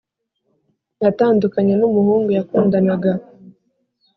Yatandukanye numuhungu bakundanaga